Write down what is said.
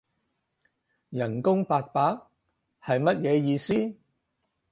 人工八百？係乜嘢意思？